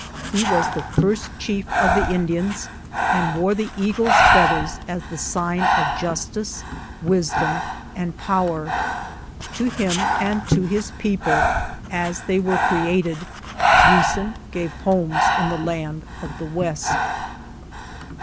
He was the first chief of the Indians and wore the eagle's feathers as the sign of justice, wis dom, and power. To him, and to his people, as they were created, Usen gave homes in the land of the west.